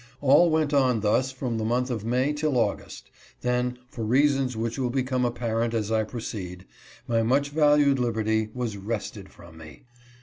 All went on thus from the month of May till August ; then, for reasons which will become apparent as I proceed, my much valued liberty was wrested from me.